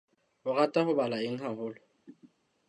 O rata ho bala eng haholo?